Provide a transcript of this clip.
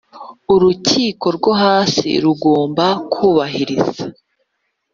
urukiko rwo hasi rugomba kubahiriza